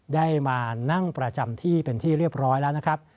ได้มานั่งประจำที่เป็นที่เรียบร้อยแล้วนะครับ